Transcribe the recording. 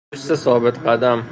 دوست ثابت قدم